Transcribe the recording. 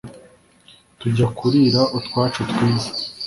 tujya kurira utwacu twiza